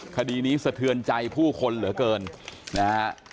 คดีนี้สะเทือนใจผู้คนเหลือเกินนะฮะ